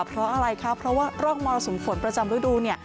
เพราะอะไรคะเพราะว่าร่องมรสุมฝนประจำฤดูเนี่ย